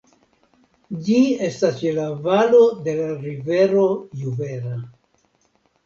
Ĝi estas je la valo de la rivero Juvera.